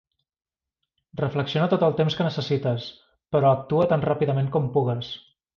Reflexiona tot el temps que necessites, però actua tan ràpidament com pugues.